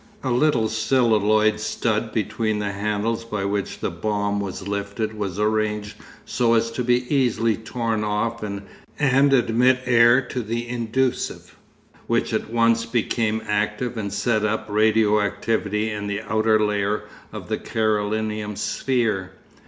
A little celluloid stud between the handles by which the bomb was lifted was arranged so as to be easily torn off and admit air to the inducive, which at once became active and set up radio activity in the outer layer of the Carolinum sphere.